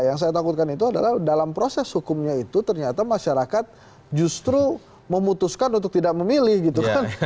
yang saya takutkan itu adalah dalam proses hukumnya itu ternyata masyarakat justru memutuskan untuk tidak memilih gitu kan